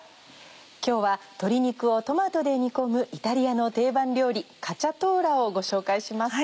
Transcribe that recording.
今日は鶏肉をトマトで煮込むイタリアの定番料理カチャトーラをご紹介します。